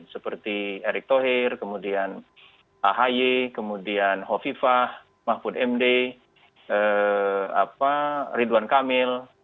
seperti erick thohir kemudian ahi kemudian hovifah mahfud md ridwan kamil